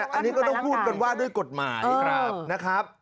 อันนี้ก็ต้องพูดกันว่าด้วยกฎหมายนะครับ